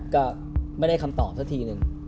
ก็ไม่ได้คำตอบสักทีหนึ่ง